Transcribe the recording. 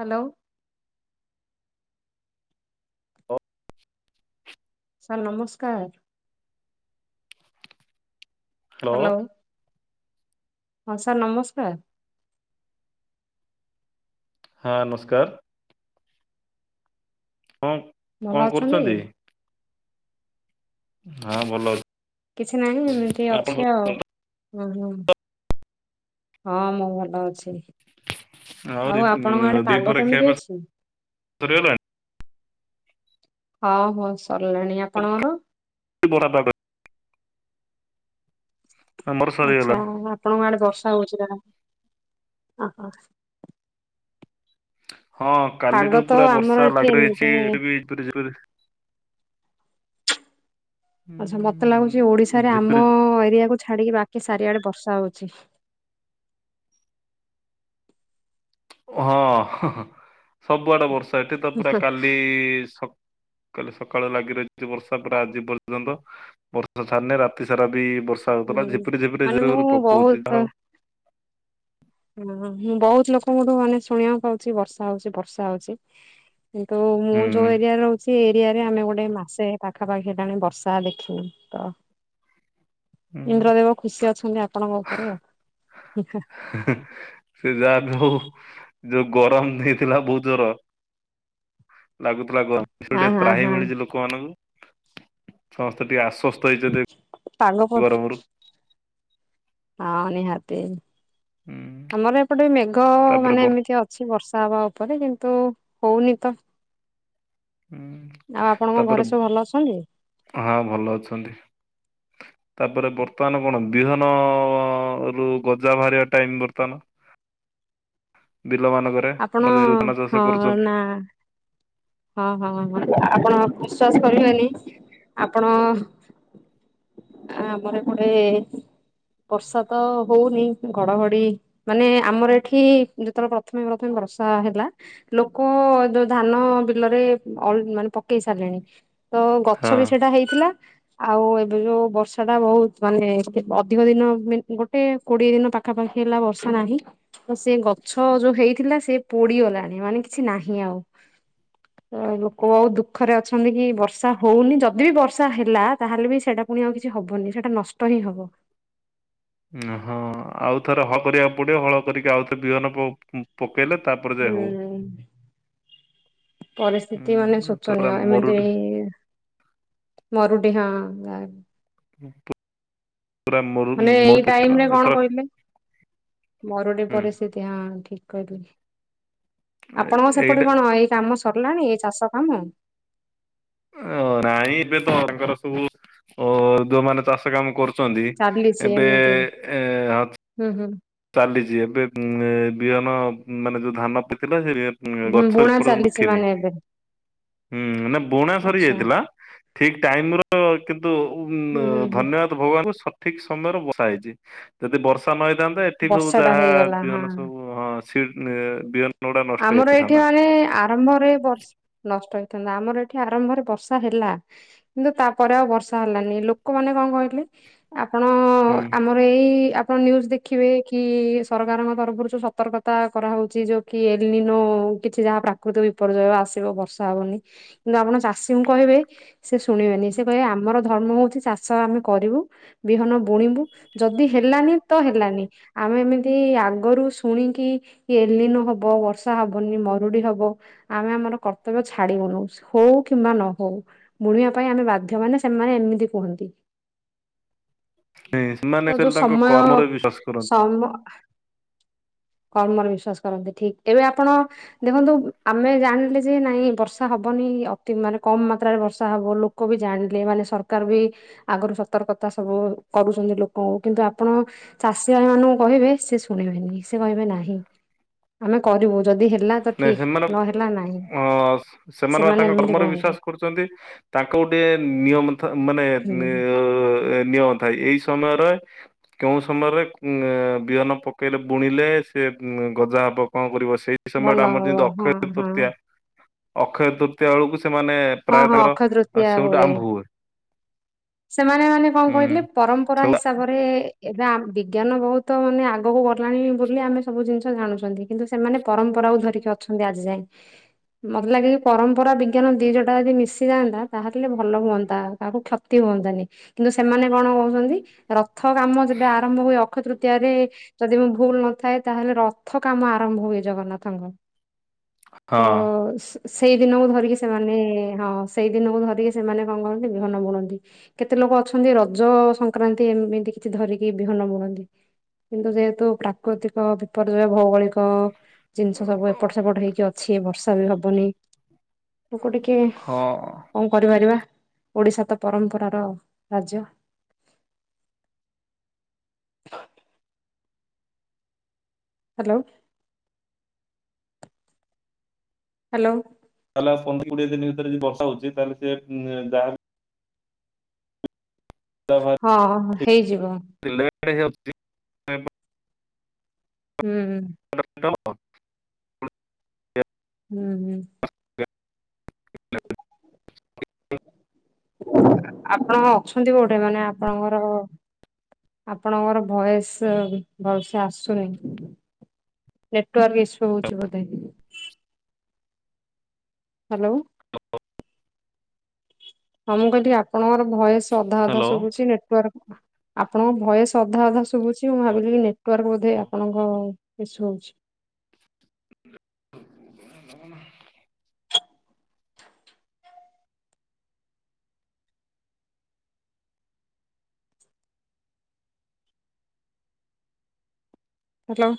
Hello. ଅ। Sir ନମସ୍କାର। Hello hello ହଁ ସାର୍ ନମସ୍କାର। ହଁ ନମସ୍କାର। ହଁ। କଣ ଭଲ ଅଛନ୍ତି। କରୁଛନ୍ତି? ହଁ ଭଲ। କିଛି ନାହିଁ ଏମିତି ଆପଣ ଅଛି ଆଉ। ହୁଁ ହୁଁ ହଁ ମୁଁ ଭଲ ଅଛି। ଆଉ ଆପଣଙ୍କ ଆଡେ ପାଗ କେମିତି ଅଛି? ସରିଗଲା ହଉ ହଉ ସରିଲାଣି ଆ [unintelligible] ପାଗ। ଆମର ସରିଗଲା ଆଚ୍ଛା ଆଉ ଆପଣଙ୍କ ଆଡେ ବର୍ଷା ହଉଛି ନା। ଅ ହ। ହଁ ପାଗ କାଲିଠୁ ତ ପୁରା ଆମର ବର୍ଷା ଏଠି ଲାଗି ଏମିତି ରହିଛି ଏଠି ବି [unintelligible] ଆଚ୍ଛା ମତେ ଉଁ, ଲାଗୁଛି ଓଡିଶାରେ ଝିପିରି ଆମ ଏରିଆକୁୁ ଛାଡିକି ବାକି ଚାରିଆଡେ ବର୍ଷା ହଉଛି। ହଁ ହଁ ହଁ ସବୁଆଡେ ବର୍ଷା ଏଠି ତ ହୁଁ ପୁରା ହୁଁ। କାଲି ସ କାଲି ସକାଳୁ ଲାଗି ରହିଛି ବର୍ଷା ପୁରା ଆଜି ପର୍ଯ୍ୟନ୍ତ ବର୍ଷା ଛାଡ଼ିନେ ରାତି ସାରା ବି ବସ ସା ହଉଥିଲା ହୁଁ ଝିପିରି ଝିପିରି ମାନେ [unintelligible] ମୁଁ ପକଉଛି ବହୁତ [unintelligible] ହୁଁ ମୁଁ ବହୁତ ଲୋକଙ୍କଠୁ ମାନେ ଶୁଣିବାକୁ ପାଉଛି ବର୍ଷା ହଉଛି ବର୍ଷା ହଉଛି। କିନ୍ତୁ ମୁଁ ହୁଁ ଯୋଉ ଏରିଆରେ ରହୁଛି। ଏରିଆରେ ଆମେ ଗୋଟେ ମାସେ ପାଖାପାଖି ହେଲାଣି ବର୍ଷା ଦେଖିନୁ ତ। ହୁଁ। ଇନ୍ଦ୍ରଦେବ ଖୁସି ଅଛନ୍ତି ଆପଣଙ୍କ ଉପରେ ଆ ହି ହା। ହେ ହେ ସେ ଯାହା ବି ହଉ ଯୋଉ ଗରମ ହେଇଥିଲା ବହୁତ ଜୋର। ଲାଗୁଥିଲା ଗ [unintelligible] ଟିକେ ଆଉ ହଁ ହଁ ତ୍ରାହି ହଁ ମିଳିଛି ଲୋକମାନଙ୍କୁ ସମସ୍ତେ ଟିକେ ଆଶ୍ଵ ପାଇଛନ୍ତି ପାଗ ପ ଗରମ ରୁ। ହଁ ନିହାତି ହୁଁ ଆମର ଏପଟେ ମେଘ ତାପରେ ମାନେ ବର୍ ଏମିତି ଅ ଛି ବର୍ଷା ହବା ଉପରେ କିନ୍ତୁ ହଉନି ତ। ହୁଁ। ଆଉ ଆପଣଙ୍କ ତାପରେ ଘରେ ସବୁ ଭଲ ଅଛନ୍ତି? ହଁ ଭଲ ଅଛନ୍ତି। ତାପରେ ବର୍ତ୍ତମାନ କଣ ବିହନରୁ ଗଜା ବାହାରିବା ଟାଇମ ବର୍ତ୍ତମାନ। ବିଲ ମାନଙ୍କ ରେ ଆପଣ [unintelligible] ଧାନ ଚାଷ ହଁ କରୁଛନ୍ତି। ନା ହଁ ହଁ ହଁ ଆପଣ ବିଶ୍ୱାସ କରିବେନି ଆପଣ। ଏ ଆମର ଏପଟେ ବର୍ଷା ତ ହଉନି ଘଡଘଡି। ମାନେ ଆମର ଏଠି ଯେତେବେଳେ ପ୍ରଥମେ ପ୍ରଥମେ ବର୍ଷା ହେଲା। ଲୋକ ଯୋଉ ଧାନ ବି ବିଲରେ ଅଲ ମାନେ ପକେଇ ସାରିଲେଣି ତ ଗଛ ହଁ। ବି ସେଇଟା ହେଇଥିଲା। ଆଉ ଏବେ ଯୋଉ ବର୍ଷା ଟା ବହୁତ ମାନେ ଅଧିକ ଦିନ ମି ଗୋଟେ। କୋଡିଏ ଦିନ ପାଖାପାଖି ହେଲା ବର୍ଷା ନାହିଁ। ତ ସେ ଗଛ ଯୋଉ ହେଇଥିଲା ସେ ପୋଡିଗଲାଣି ମାନେ କିଛି ନାହିଁ ଆଉ। ଅ ଲୋକ ବହୁତ ଦୁଖରେ ଅଛ ଅଛନ୍ତି କି ବର୍ଷା ହଉନି ଯଦି ବି ବର୍ଷା ହେଲା ତାହେଲେ ବି ସେଇଟା ପୁଣି ଆଉ କିଛି ହବନି ସେଟା ନଷ୍ଟ ହିଁ ହବ। ଓ ହଁ ଆଉ ଥରେ ହଳ କରିବାକୁ ପଡିବ ହଳ କରିକି ଆଉଥରେ ବିହନ ପ-ପ ପକେଇଲେ ତାପରେ ଯାଇ ହବ। ଉଁ ପରିସ୍ଥିତି ମାନେ ହୁଁ ପୁରା ଶୋଚନୀୟ ମରୁଡି ଏମିତି-ଇ-ଇ-ଇ ମରୁଡି ହଁ ଗାଁ ରେ। ହଁଞ ମାନେ ଏଇ ଟାଇମ ରେ ଏଥର କଣ କହିଲେ ମରୁଡି ହୁଁ ପରିସ୍ଥି ତି ହଁ ଠିକ କହିଲେ ଆପଣଙ୍କର ଏଇଟା ସେପଟେ କଣ ଏଇ କାମ ସ ସରିଲାଣି ଏଇ ଚାଷ କାମ? ଓ ନାଇଁ ଏବେ ତ ତାଙ୍କର ସବୁ ଅ-ଅ-ଅ ଯୋଉମାନେ ଚାଷ କାମ କରୁ ଛନ୍ତି ଚାଲିଛି ଏବେ-ଏ ଏମିତି ଏ-ଏ-ଏ ହୁଁ ହୁଁ। ଚାଲିଛି ଏବେ ଉ-ଉ-ଉ ଏ ବିହନ ମାନେ ଯୋଉ ଧାନ ପିଥିଲା ସେ ମାନେ ହୁଁ ଗଛ ଏ ବୁଣା ପର୍ଯ୍ୟନ୍ତ ଚାଲିଛି ଉଠିନି ମାନେ ଏବେ ହୁଁ ନା ବୁଣା ସରି ଆଚ୍ଛା ଯାଇଥିଲା ଠିକ ଟାଇମ ର କିନ୍ତୁ ହୁଁ ଉ-ଉ-ଉ ହୁଁ ହୁଁ ଧନ୍ୟବାଦ ଭଗବାନଙ୍କୁ ସଠିକ ସମୟରେ ବର୍ଷା ହେଇଛି ଯଦି ବର୍ଷା ନ ହେଇଥାଆନ୍ତା ଠିକ୍ ସବୁ ବର୍ଷା ଟା ଯାହା-ଆ-ଆ ହେଇଗଲା ହଁ ବିହନ ସବୁ ହଁ ସି ଏ-ଏ-ଏ ବିହନ ଗୁଡା ନଷ୍ଟ ଆମର ଏଇଠି ହେଇଯାଇଥାନ୍ତା। ମାନେ-ଏ-ଏ-ଏ ଆରମ୍ଭରେ ବଷ ନଷ୍ଟ ହେଇଥାନ୍ତା ଆମର ଏଠି ଆରମ୍ଭରେ ବର୍ଷା ହେଲା। କିନ୍ତୁ ତାପରେ ଆଉ ବର୍ଷା ହେଲାନି। ଲୋକମାନେ କଣ କହିଲେ ଆପଣ-ଅ-ଅ-ଅ ହୁଁ ଆମର ଏଇ-ଇ-ଇ ଆ ପଣ ନ୍ୟୁଜ ଦେଖିବେ କି-ଇ-ଇ ସରକାରଙ୍କ ତରଫରୁ ଯୋଉ ସତର୍କତା କରାହେଉଛି ଯୋଉ କି ଏଲି ନୋ-ଓ-ଓ କିଛି ଯାହା ପ୍ରାକୃତିକ ବିପର୍ଯ୍ୟୟ ଆସିବ ବର୍ଷା ହବନି। କିନ୍ତୁ ଆପଣ ଚାଷୀଙ୍କୁ କହିବେ ସେ ଶୁଣିବେନି ସେ କହିବେ ଆମର ଧର୍ମ ହଉଛି ଚାଷ ଆମେ କରିବୁ ବିହନ ବୁଣିବୁ ଯଦି ହେଲାନି ତ ହେଲାନି ଆମେ ଏମିତି ଆଗରୁ ଶୁଣିକି ଏଲି ନହବ ହବ ବର୍ଷା ହବନି ମରୁଡି ହବ। ଆମେ ଆମର କର୍ତ୍ତବ୍ୟ ଛାଡିବୁନୁ ହଉ କିମ୍ବା ନ ହଉ। ବୁଣିବା ପାଇଁ ଆମେ ବାଧ୍ୟ ମାନେ ସେମାନେ ଏମିତି କୁହନ୍ତି। ସେମାନେ ତ ଯୋଉ ତାଙ୍କ ସମୟ-ୟ-ୟ କର୍ମରେ ବିଶ୍ଵାସ କରନ୍ତି ସମ ଆ କର୍ମରେ ବିଶ୍ଵାସ କରନ୍ତି ଠିକ ଏବେ ଆପଣ ଦେଖନ୍ତୁ ଆମେ ଜାଣିଲେ ଯେ ନାଇଁ ବର୍ଷା ହବନି ଅତି ମାନେ କମ ମାତ୍ରାରେ ବର୍ଷା ହବ ଲୋ କ ବି ଜାଣିଲେ ମାନେ ସରକାର ବି ଆଗରୁ ସତର୍କତା ସବୁ କରୁଛନ୍ତି ଲୋକଙ୍କୁ କିନ୍ତୁ ଆପଣ ଚାଷୀ ଭାଇ ମାନଙ୍କୁ କହିବେ ସେ ଶୁଣିବେନି ସେ କହିବେ ନାହିଁ ଆମେ କରିବୁ ଯଦି ହେଲା ତ ଠିକ୍ ନହେଲା ନାହିଁ ଓ-ଓ-ଓ ସ ସ ସେମାନେ ତାଙ୍କ ଏମିତି କର୍ମରେ କୁହନ୍ତି ବିଶ୍ୱାସ କରୁଛନ୍ତି। ତାଙ୍କୁ ଗୋଟିଏ-ଏ-ଏ ନିୟମ ଥ ମାନେ-ଏ-ଏ ହୁଁ [unintelligible] ନିୟମ ଥାଏ ଏଇ ସମୟରେ କେଉଁ ସମୟରେ ଏ-ଏ ବିହନ ପକେଇଲେ ବୁଣିଲେ ସେ ଗଜା ହେବ କଣ କରିବ ସେଇ ସେ ଭଲ ସମୟଟା ଆମର ହବ ଯେମିତି ହଁ ଅକ୍ଷୟ ତୃତୀୟା ହଁ ଅକ୍ଷୟ ତୃତୀୟା ବେଳକୁ ସେମାନେ-ଏ-ଏ ହଁ ପ୍ରାୟ ହଁ ତାଙ୍କର ଅକ୍ଷୟ ଅ ତୃତୀୟା ସେଉଠୁ ଆମ୍ଭ ହୁଏ। ସେମାନେ ମାନେ କଣ ହୁଁ କହିଲେ ପରମ୍ପରା ସେଉ ହିସାବରେ-ଏ-ଏ-ଏ ଏବେ ଆମ ବିଜ୍ଞାନ ବହୁତ ମାନେ ଆଗକୁ ଗଲାଣି ବୋଲି ଆମେ ସବୁ ଜିନିଷ ଜାଣୁଛନ୍ତି। କିନ୍ତୁ ସେମାନେ ପରମ୍ପରାକୁ ଧରିକି ଅଛନ୍ତି ଆଜି ଯାଏଁ। ମତେ ଲାଗେ କି ପରମ୍ପରା ବି ବିଜ୍ଞାନ ଦୁଇଜୋଟା ଯଦି ମିଶି ଯାଆନ୍ତା ତାହେଲେ ଭଲ ହୁଅନ୍ତା କାହାକୁ କ୍ଷ ତି ହୁଅନ୍ତାନି କିନ୍ତୁ ସେମାନେ କଣ କହୁଛନ୍ତି ରଥ କାମ ଯେବେ ଆରମ୍ଭ ହୁଏ ଅକ୍ଷୟତୂ ତୀୟା ରେ ଯଦି ମୁଁ ଭୁଲ ନଥାଏ ତାହେଲେ ରଥ କାମ ଆରମ୍ଭ ହୁଏ ଜଗନ୍ନାଥଙ୍କ। ହଁ ତ-ଅ-ଅ ସି ସେଇ ଦିନକୁ ଧରିକି ସେମାନେ ହଁ, ସେଇ ଦିନକୁ ଧରିକି ସେମାନେ କଣ କରନ୍ତି? ବିହନ ବୁଣନ୍ତି। କେତେ ଲୋକ ଅଛନ୍ତି ରଜ ସଂକ୍ରାନ୍ତି, ଏମିତି କିଛି ଧରିକି ବିହନ ବୁଣନ୍ତି। କିନ୍ତୁ, ଯେହେତୁ ପ୍ରାକୃତିକ ବିପର୍ଯ୍ୟୟ ଭୌଗୋଳିକ ଜିନିଷ ସବୁ ଏପଟ ସେପଟ ହେଇକି ଅଛି, ବର୍ଷା ବି ହବନି। ଲୋକ ଟିକେ ହଁ। କଣ କରିପାରିବା? ଓଡିଶା ତ ପରମ୍ପରା ର ରାଜ୍ୟ। ହ୍ୟାଲୋ। ହ୍ୟାଲୋ। ତା, ହେଲେ ଆଉ ପନ୍ଦର କୋଡିଏ ଦିନି ଭିତରେ ଯି ବର୍ଷା ହଉଛି, ତାହଲେ ସିଏ-ଏଁ ଯାହାଲେ ଯା ଭାର୍ ହଁ, ହେଇଯିବ। ଟିଲେଟ୍ ହେଇଯାଇଛି। ହୁଁ, ହୁଁ। [inaudible] ହୁଁ, ହୁଁ। [inaudible] ଆପଣ ଅଛନ୍ତି କୋଉଠେ? ମାନେ ଆପଣଙ୍କର ଆପଣଙ୍କର ଭଏସ୍ ଭଲ୍ ସେ ଆସୁନି। ନେଟ୍ ୱାର୍କ ଇଶୁ ହଉଛି ବଧେ! ହାଲୋଓ। ତ ଅ ଅ। ହଁ, ମୁଁ କହିଲି ଆପଣଙ୍କର ଭଏସ୍ ଅଧା ଅଧା ହ୍ୟାଲୋ। ଶୁଭୁଛି, ନେଟ୍ ୱାର୍କ ଆପଣଙ୍କ ଭଏସ୍ ଅଧା ଅଧା ଶୁଭୁଛି, ମୁଁ ଭାବିଲି କି ନେଟ୍ ୱାର୍କ ବୋଧେ ଆପଣଙ୍କ ଇସୁ ହଉଛି। [inaudible] ହ୍ୟାଲୋ।